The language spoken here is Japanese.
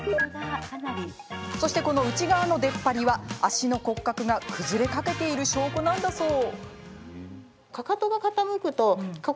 そして、この内側の出っ張りは足の骨格が崩れかけている証拠なんだそう。